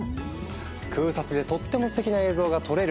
空撮でとってもステキな映像が撮れる！